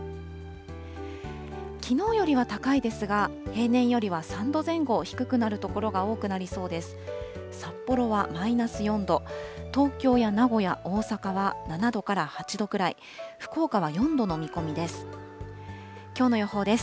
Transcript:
きのうよりは高いですが、平年よりは３度前後低くなる所が多くなりそうです。